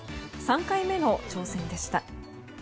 ３回目の挑戦でした。